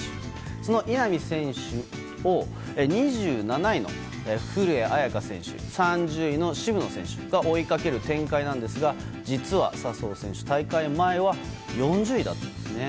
その稲見選手を２７位の古江彩佳選手３０位の渋野選手が追いかける展開なんですが実は笹生選手大会前は４０位だったんですね。